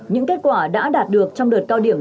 những kết quả đã đạt được trong đợt cao điểm